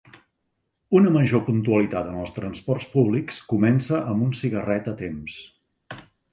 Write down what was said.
Una major puntualitat en els transports públics comença amb un cigarret a temps.